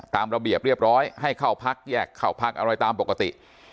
ตามระเบียบเรียบร้อยให้เข้าพักแยกเข้าพักอะไรตามปกติ